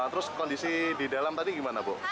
terus kondisi di dalam tadi gimana bu